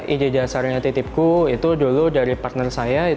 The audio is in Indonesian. ide dasarnya titipku itu dulu dari partner saya